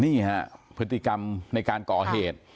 นี่ฮะพฤติกรรมในการก่อเหตุ